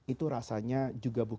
itu rasanya juga berbeda